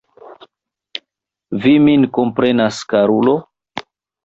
Vi min komprenas, karulo?